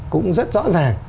cũng rất rõ ràng